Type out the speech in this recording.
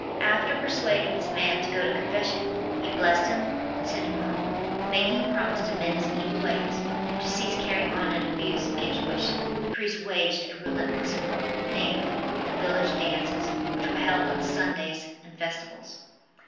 After persuading this man to go to confession he blessed him and sent him home, making him promise to mend his evil ways and to cease carrying on an abuse against which the priest waged a relentless war, namely, the village dances, which were held on Sundays and festivals.